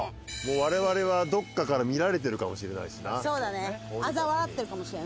我々はどこかから見られてるかもしれないしな。